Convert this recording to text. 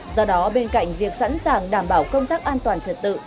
do đó bên cạnh việc sẵn sàng đảm bảo công tác an toàn trật tự